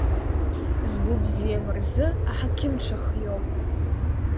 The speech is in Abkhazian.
Згәы бзиам рзы аҳақьымцәа хиоуп…